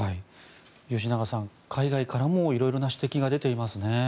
吉永さん、海外からも色々な指摘が出ていますね。